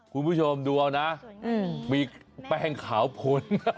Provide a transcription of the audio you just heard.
คุณผู้ชมดูเอานะมีแป้งขาวพล